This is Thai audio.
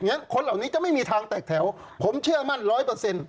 คนเหล่านี้จะไม่มีทางแตกแถวผมเชื่อมั่นร้อยเปอร์เซ็นต์